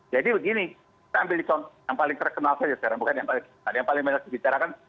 jadi begini kita ambil yang paling terkenal saja sekarang bukan yang paling banyak dibicarakan